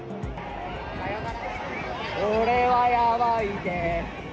これはやばいて。